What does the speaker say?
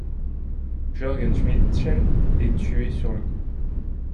Jörgen Schmidtchen est tué sur le coup.